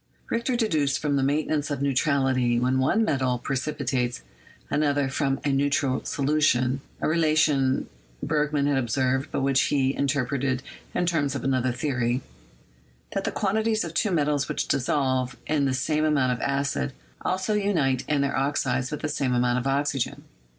Richter deduced from the maintenance of neutrality when one metal precipitates another from a neutral solu tion — a relation Bergman had observed, but which he in terpreted in terms of another theory — that the quantities of two metals which dissolve in the same amount of acid also unite in their oxides with the same amount of oxygen.